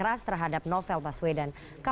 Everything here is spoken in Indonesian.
masukkan ke kota jendela